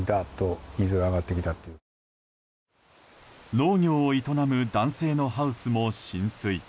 農業を営む男性のハウスも浸水。